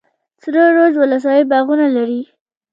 سره رود ولسوالۍ باغونه لري؟